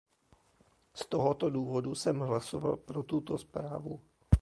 Z tohoto důvodu jsem hlasoval pro tuto zprávu.